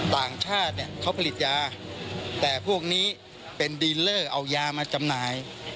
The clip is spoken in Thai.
ต่างชาติเนี่ยเขาผลิตยาแต่พวกนี้เป็นดินเลอร์เอายามาจำหน่าย